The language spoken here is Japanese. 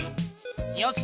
よし。